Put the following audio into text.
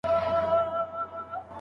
هم دا دنیا هم آخرت دی د خانانو موري